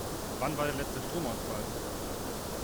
Wann war der letzte Stromausfall?